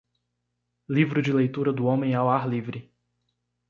Livro de leitura do homem ao ar livre.